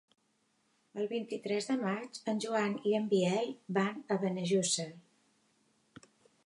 El vint-i-tres de maig en Joan i en Biel van a Benejússer.